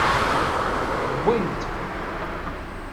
Bbin-t.